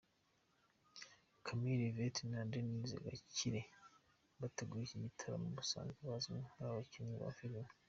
Camille Yvette na Denise Gakire bateguye iki gitaramo, basanzwe bazwi nk'abakinnyi ba filime.